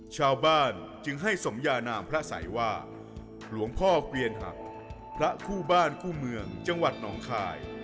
ชาวบ้านจึงให้สมยานามพระสัยว่าหลวงพ่อเกวียนหักพระคู่บ้านคู่เมืองจังหวัดหนองคาย